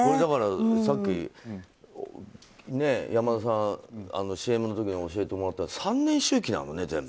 さっき山田さん、ＣＭの時に教えてもらったけど３年周期なのね、全部。